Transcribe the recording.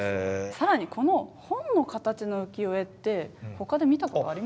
更にこの本の形の浮世絵ってほかで見たことありますか？